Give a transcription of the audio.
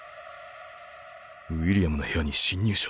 ウィリアムの部屋に侵入者。